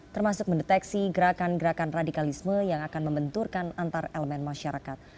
termasuk mendeteksi gerakan gerakan radikalisme yang akan membenturkan antar elemen masyarakat